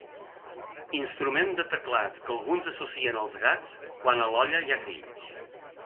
Instrument de teclat que alguns associen als gats quan a l'olla hi ha grills.